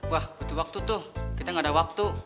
wah butuh waktu tuh kita gak ada waktu